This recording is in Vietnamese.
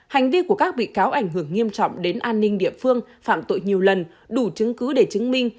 hành vi của các bị cáo ảnh hưởng nghiêm trọng đến an ninh địa phương phạm tội nhiều lần đủ chứng cứ để chứng minh